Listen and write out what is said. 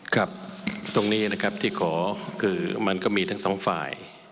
ครับตรงนี้นะครับที่ขอคือมันก็มีทั้งสองฝ่าย